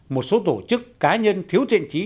một số tổ chức cá nhân thiếu trện trí